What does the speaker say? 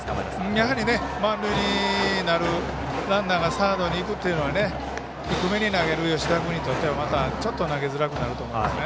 やはり、満塁になるランナーがサードに行くというのは低めに投げる吉田君にとっては投げづらくなると思います。